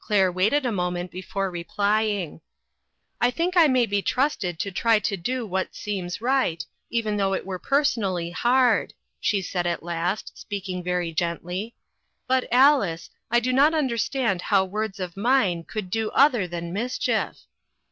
Claire waited a moment before replying. "I think I may be trusted to try to do what seems right, even though it were personally hard," she said at last, speaking very gently ;" but, Alice, I do not understand how words of mine could do other than mischief."